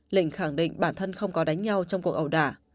lệnh khẳng định bản thân không có đánh nhau trong cuộc ẩu đả